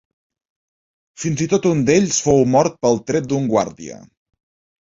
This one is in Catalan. Fins i tot un d'ells fou mort pel tret d'un guàrdia.